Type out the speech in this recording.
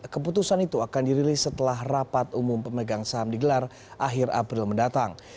keputusan itu akan dirilis setelah rapat umum pemegang saham digelar akhir april mendatang